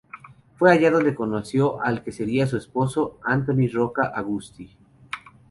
Fue allá donde conoció al que sería su esposo, Antoni Roca Agustí.